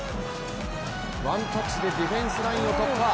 ワンタッチでディフェンスラインを突破。